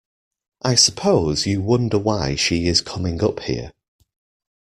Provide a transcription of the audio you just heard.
I suppose you wonder why she is coming up here.